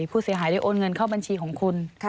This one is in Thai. ผู้เสียหายได้โอนเงินเข้าบัญชีของคุณ